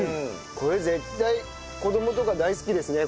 これ絶対子供とか大好きですね